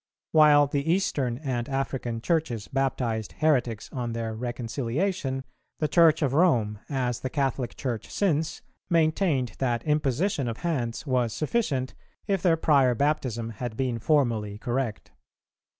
While the Eastern and African Churches baptized heretics on their reconciliation, the Church of Rome, as the Catholic Church since, maintained that imposition of hands was sufficient, if their prior baptism had been formally correct.